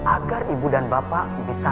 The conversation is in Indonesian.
agar ibu dan bapak bisa